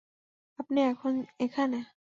আপনি এখন এখানে।